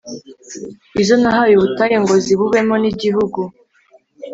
Izo nahaye ubutayu ngo zibubemo N igihugu